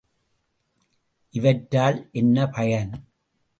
இவற்றால் என்ன பயன்?